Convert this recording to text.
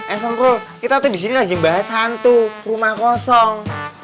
eh sengku kita tuh disini lagi membahas hantu rumah gosong